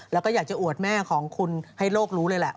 แล้วก็อยากจะอวดแม่ของคุณให้โลกรู้เลยแหละ